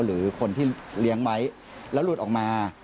หรือคนที่เลี้ยงไว้แล้วหลุดออกมา